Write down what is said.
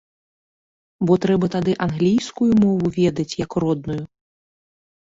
Бо трэба тады англійскую мову ведаць як родную.